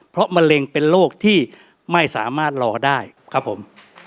เพราะมะเร็งเป็นโรคที่ไม่สามารถรอได้ครับผม